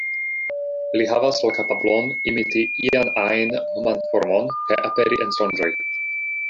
Li havas la kapablon imiti ian-ajn homan formon kaj aperi en sonĝoj.